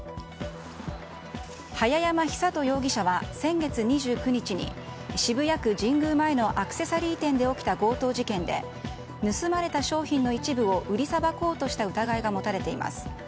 早山尚人容疑者は先月２９日に渋谷区神宮前のアクセサリー店で起きた強盗事件で盗まれた商品の一部を売りさばこうとした疑いが持たれています。